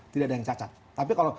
tidak ada yang cacat tapi kalau